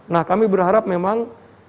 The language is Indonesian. nah kami berharap memang